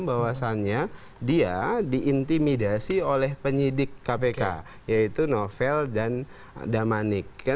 bahwasannya dia diintimidasi oleh penyidik kpk yaitu novel dan damanik